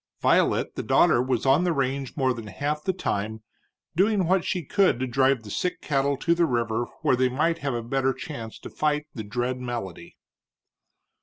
Violet, the daughter, was on the range more than half the time, doing what she could to drive the sick cattle to the river where they might have a better chance to fight the dread malady.